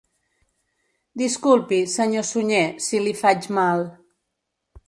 Disculpi, senyor Sunyer, si li faig mal...